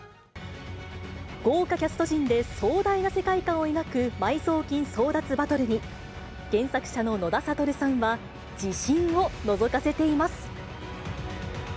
豪華キャスト陣で、壮大な世界観を描く埋蔵金争奪バトルに、原作者の野田サトルさんは、自信をのぞかせています。